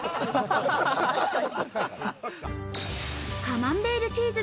カマンベールチーズ。